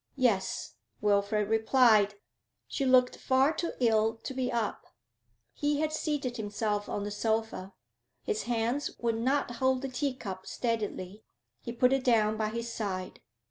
'Yes,' Wilfrid replied; 'she looked far too ill to be up.' He had seated himself on the sofa. His hands would not hold the tea cup steadily; he put it down by his side.